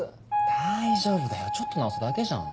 大丈夫だよちょっと直すだけじゃん。